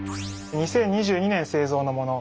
２０２２年製造のもの。